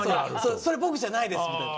それ僕じゃないですみたいな。